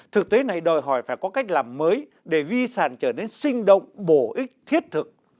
thực tế này đòi hỏi phải có cách làm mới để di sản trở nên sinh động bổ ích thiết thực